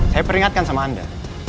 saya peringatkan sama anda